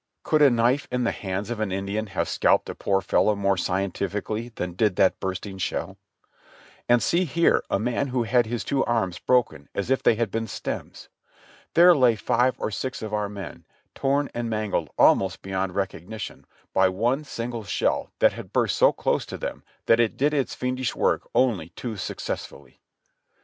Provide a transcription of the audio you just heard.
Could a knife in the hands of an Indian have scalped a poor fellow more scientifically than did that bursting shell? And see here a man who had his two arms broken as if they had been stems. There lay five or six of our men, torn and mangled almost beyond recognition by one single shell that had burst so close to them that it did its fiendish work only too successfully.